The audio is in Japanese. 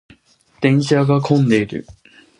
電車が混んでいる。